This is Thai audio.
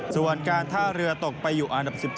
ส่วนการท่าเรือตกไปอยู่อันดับ๑๒